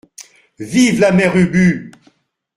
Vive la mère Ubu.